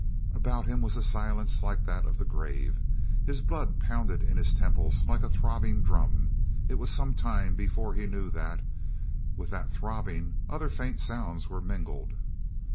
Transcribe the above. About him was a silence like that of the grave; his blood pounded in his temples like a throbbing drum. It was some time before he knew that, with that throbbing, other faint sounds were mingled.